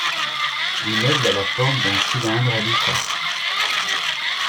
L'immeuble a la forme d'un cylindre à dix faces.